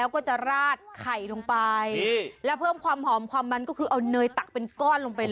แล้วก็จะราดไข่ลงไปแล้วเพิ่มความหอมความมันก็คือเอาเนยตักเป็นก้อนลงไปเลย